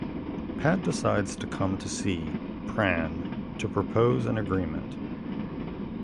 Pat decides to come to see Pran to propose an agreement.